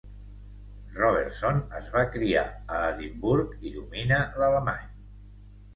Robertson es va criar a Edimburg i domina l'alemany.